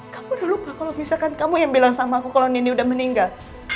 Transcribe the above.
kamu udah lupa kalau misalkan kamu yang bilang sama aku kalau nindi udah meninggal